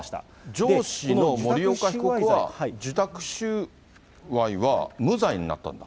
上司の森岡被告は受託収賄は無罪になったんだ。